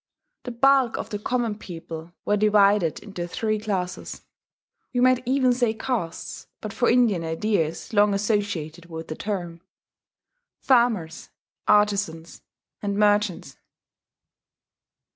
The bulk of the common people were divided into three classes (we might even say castes, but for Indian ideas long associated with the term): Farmers, Artizans, and Merchants.